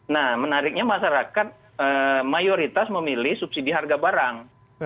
nah menariknya masyarakat mayoritas memilih subsidi harga barang